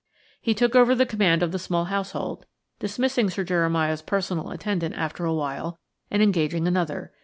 He took over the command of the small household, dismissing Sir Jeremiah's personal attendant after a while and engaging another.